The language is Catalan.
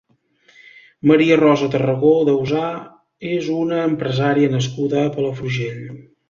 Maria Rosa Tarragó Daussà és una empresària nascuda a Palafrugell.